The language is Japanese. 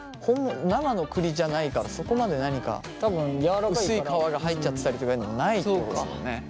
生の栗じゃないからそこまで何か薄い皮が入っちゃってたりとかいうのもないってことですもんね。